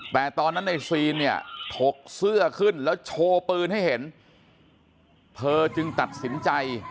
แต่ตอนนั้นในซีนเนี่ยถกเสื้อขึ้นแล้วโชว์ปืนให้เห็นเธอจึงตัดสินใจ